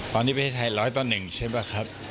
ตอนนี้ประเทศไทย๑๐๐ต่อ๑ใช่ป่ะครับ